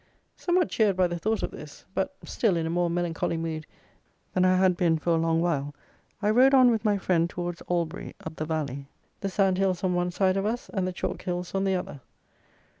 Somewhat cheered by the thought of this, but, still, in a more melancholy mood than I had been for a long while, I rode on with my friend towards Albury, up the valley, the sand hills on one side of us and the chalk hills on the other.